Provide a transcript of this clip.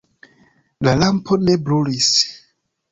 La lampo ne brulis.